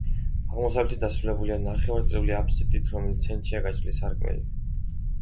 აღმოსავლეთით დასრულებულია ნახევარწრიული აბსიდით, რომლის ცენტრში გაჭრილია სარკმელი.